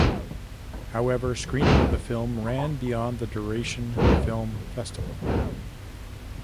However screening of the film ran beyond the duration film festival.